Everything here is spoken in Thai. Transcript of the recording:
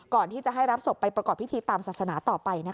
ก่อนที่จะให้รับศพไปประกอบพิธีตามศาสนาต่อไปนะคะ